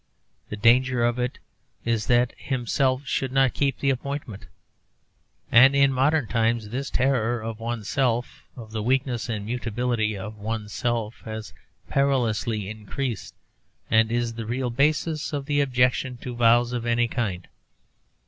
The danger of it is that himself should not keep the appointment. And in modern times this terror of one's self, of the weakness and mutability of one's self, has perilously increased, and is the real basis of the objection to vows of any kind.